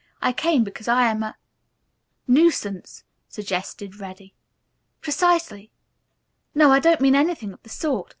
I came because I am a " "Nuisance," suggested Reddy. "Precisely. No, I don't mean anything of the sort.